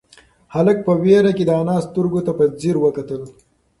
هلک په وېره کې د انا سترگو ته په ځير وکتل.